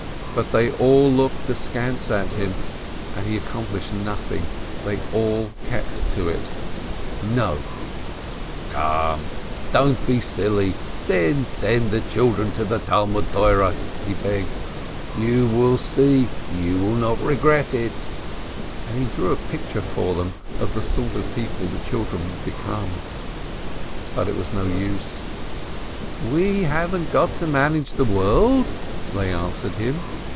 But they all looked askance at him, and he accomplished nothing: they all kept to it— "No I" "Come, don't be silly! Send, send the children to the Talmud Torah," he begged. "You will see, you will not regret it!" And he drew a picture for them of the sort of people the children would become. But it was no use. "We haven't got to manage the world," they answered him.